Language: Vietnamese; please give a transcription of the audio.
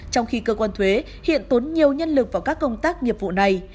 trong khi cơ quan thuế hiện tốn nhiều nhân lực vào các công tác nghiệp vụ này